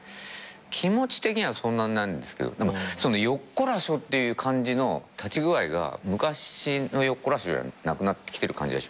気持ち的にはそんなないんですけどそのよっこらしょっていう感じの立ち具合が昔のよっこらしょじゃなくなってきてる感じが。